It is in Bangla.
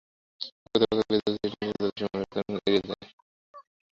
প্রকৃতপক্ষে বিধাতানির্দিষ্ট এই জাতিসমূহের ঐকতানে প্রত্যেক জাতিই নিজ নিজ ভূমিকা অভিনয় করিতে আসিয়াছে।